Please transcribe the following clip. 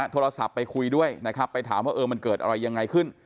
โทรศัพท์ไปคุยด้วยนะครับไปถามว่าเออมันเกิดอะไรยังไงขึ้น